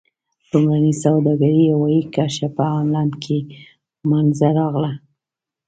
لومړنۍ سوداګرۍ هوایي کرښه په هالند کې منځته راغله.